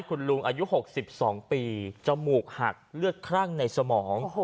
คุณลุงอายุ๖๒ปีจมูกหักเลือดคลั่งในสมอง